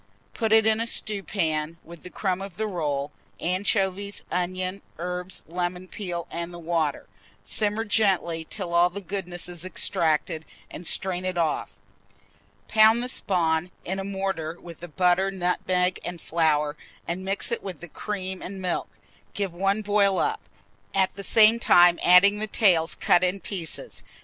Put it in a stewpan, with the crumb of the roll, anchovies, onions, herbs, lemon peel, and the water; simmer gently till all the goodness is extracted, and strain it off. Pound the spawn in a mortar, with the butter, nutmeg, and flour, and mix with it the cream and milk. Give one boil up, at the same time adding the tails cut in pieces.